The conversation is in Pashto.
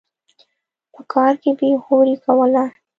په کار کې بېغوري کوله.